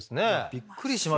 びっくりしましたね。